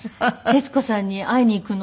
「徹子さんに会いに行くの？